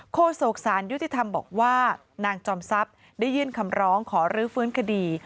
โศกสารยุติธรรมบอกว่านางจอมทรัพย์ได้ยื่นคำร้องขอรื้อฟื้นคดี